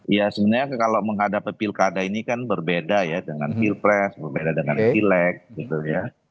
ya sebenarnya kalau menghadapi pilkada ini kan berbeda ya dengan pilpres berbeda dengan pilek gitu ya